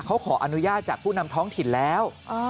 เขาขออนุญาตจากผู้นำท้องถิ่นแล้ว